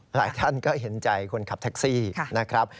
หลายท่านก็เห็นใจคนขับแท็กซี่นะครับ